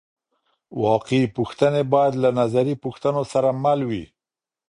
واقعي پوښتنې باید له نظري پوښتنو سره مل وي.